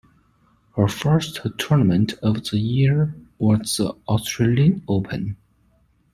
Her first tournament of the year was the Australian Open.